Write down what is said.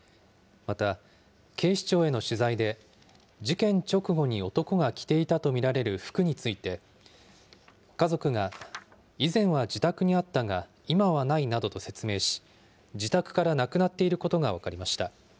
また、警視庁への取材で、事件直後に男が着ていたと見られる服について、家族が以前は自宅にあったが、今はないなどと説明し、自宅からなくなっていることが分かりました。